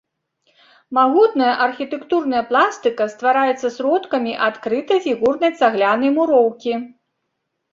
Магутная архітэктурная пластыка ствараецца сродкамі адкрытай фігурнай цаглянай муроўкі.